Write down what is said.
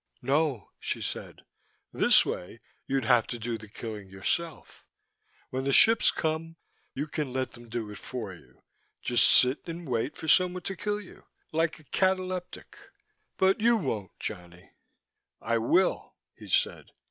"No," she said. "This way, you'd have to do the killing yourself. When the ships come, you can let them do it for you, just sit and wait for someone to kill you. Like a cataleptic. But you won't, Johnny." "I will," he said.